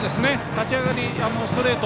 立ち上がり、ストレート。